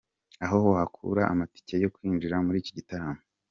Aho wakura amatike yo kwinjira muri iki gitaramo.